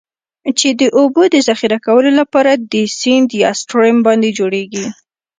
چې د اوبو د ذخیره کولو لپاره د سیند یا Stream باندی جوړیږي.